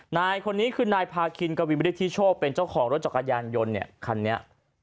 ไน่คนนี้คือนายภากินกวินไม่ได้ที่โชคเป็นเจ้าของรถจัดการยานยนต์คันนี้